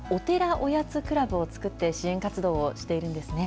おやつクラブを作って、支援活動をしているんですね。